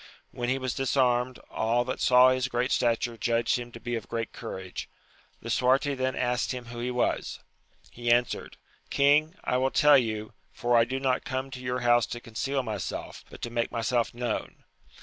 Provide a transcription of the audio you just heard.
When he was disarmed, all that saw his great stature judged him to be of great courage. Lisuarte then asked him who he was. He answered, King, I will tell you, for I do not come to your house to conceal myself, but to make myself known.